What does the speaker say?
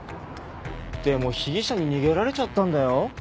でも被疑者に逃げられちゃったんだよ。